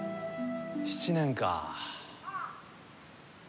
７年か。